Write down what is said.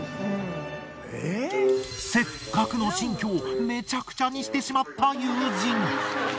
せっかくの新居をめちゃくちゃにしてしまった友人。